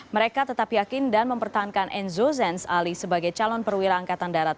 mereka tetap yakin dan mempertahankan enzo zenz ali sebagai calon perwira angkatan darat